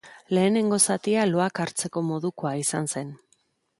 Lehenengo zatia loak hartzeko modukoa izan zen.